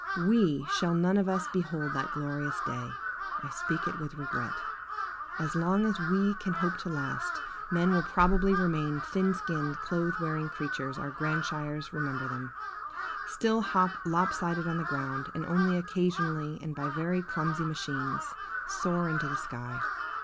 We shall none of us behold that glorious day! I speak it with regret. As long as we can hope to last, men will probably remain the thin skinned, clothes wearing creatures our grandsires remember them; still hop lop sided on the ground, and only occasionally, and by very clumsy machines, soar into the sky.